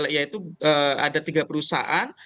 yaitu ada tiga perusahaan